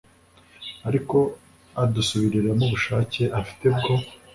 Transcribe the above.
ariko adusubiriramo ubushake afite bwo